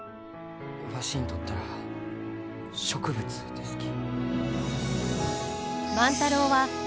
わしにとったら植物ですき。